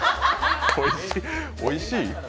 おいしい？